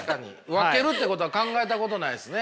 分けるってことは考えたことないですね。